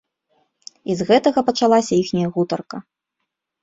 І з гэтага пачалася іхняя гутарка.